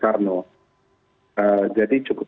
jadi cukup terlambat juga pak presiden